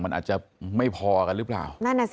มันอาจจะไม่พอกันหรือเปล่า